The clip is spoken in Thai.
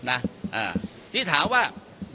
อ่าที่ถามว่า